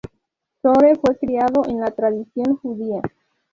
Shore fue criado en la tradición judía.